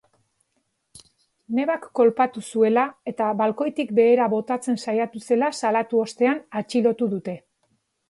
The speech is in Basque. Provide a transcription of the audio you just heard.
Nebak kolpatu zuela eta balkoitik behera botatzen saiatu zela salatu ostean atxilotu dute.